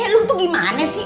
lu tuh gimana sih